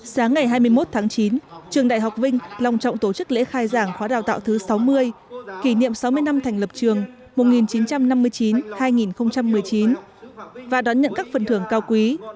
sáng ngày hai mươi một tháng chín trường đại học vinh lòng trọng tổ chức lễ khai giảng khóa đào tạo thứ sáu mươi kỷ niệm sáu mươi năm thành lập trường một nghìn chín trăm năm mươi chín hai nghìn một mươi chín và đón nhận các phần thưởng cao quý